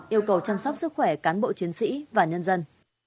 yêu cầu chăm sóc sức khỏe cán bộ chiến sĩ và nhân dân